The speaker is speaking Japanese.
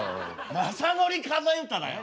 「雅紀数え歌」だよ。